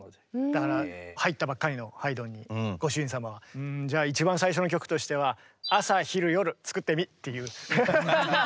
だから入ったばっかりのハイドンにご主人様は「んじゃあ一番最初の曲としては朝昼夜作ってみ？」っていう。